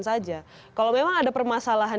saja kalau memang ada permasalahan